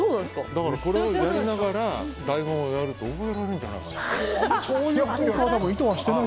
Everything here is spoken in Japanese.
これをやりながら台本を読むと覚えられるんじゃないかな。